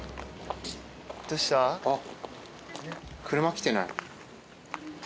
あっ、車来てない？